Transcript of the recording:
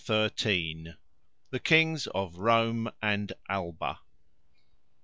XIII. The Kings of Rome and Alba 1.